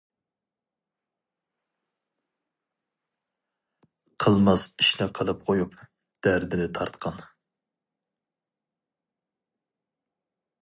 قىلماس ئىشنى قىلىپ قويۇپ، دەردىنى تارتقان.